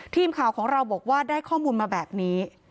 ทีมข่าวของเราบอกว่าได้ข้อมูลมาแบบนี้